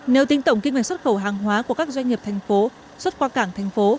nếu tính tổng kinh ngạch xuất khẩu hàng hóa của các doanh nghiệp thành phố xuất qua cảng thành phố